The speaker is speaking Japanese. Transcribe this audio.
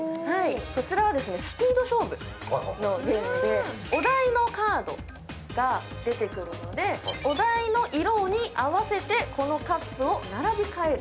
こちらはスピード勝負のゲームでお題のカードが出てくるのでお題の色に合わせてこのカップを並び替える。